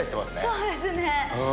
そうですね。